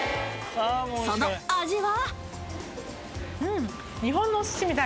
その味は？